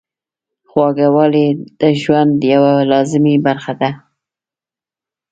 خوږوالی د ژوند یوه لازمي برخه ده.